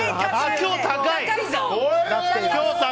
今日、高いぞ！